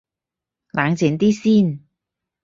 冷靜啲先